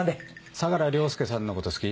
相良凌介さんのこと好き？